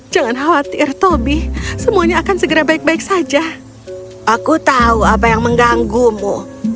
jangan khawatir toby semuanya akan segera baik baik saja aku tahu apa yang mengganggumu